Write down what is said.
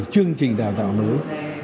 bảy chương trình đào tạo mới